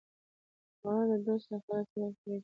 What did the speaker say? خوړل د دوست د قدر سبب کېږي